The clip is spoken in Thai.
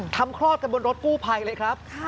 คลอดกันบนรถกู้ภัยเลยครับ